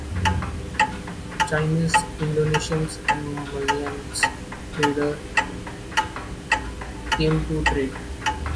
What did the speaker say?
Chinese, Indonesians and Malayan traders came to trade.